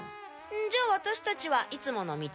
じゃあワタシたちはいつもの道を。